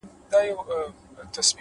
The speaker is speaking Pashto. حکمت د تجربې مېوه ده,